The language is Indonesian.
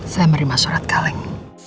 saya menerima surat kaleng